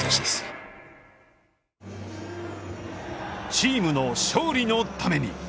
チームの勝利のために。